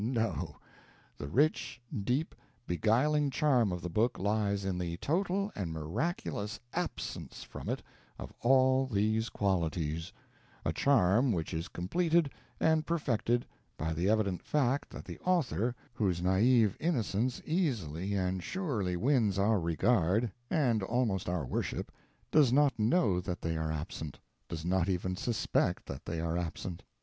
No; the rich, deep, beguiling charm of the book lies in the total and miraculous _absence _from it of all these qualities a charm which is completed and perfected by the evident fact that the author, whose naive innocence easily and surely wins our regard, and almost our worship, does not know that they are absent, does not even suspect that they are absent.